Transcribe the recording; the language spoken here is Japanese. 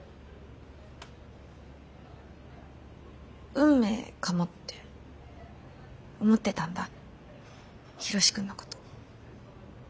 運命かもって思ってたんだヒロシ君のこと。